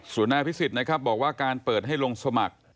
สูญญาพิสิทธิ์นะครับบอกว่าการเปิดให้ลงสมัคร